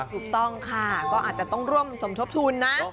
ถูกต้องค่ะก็อาจจะต้องร่วมสมทบทุนนะ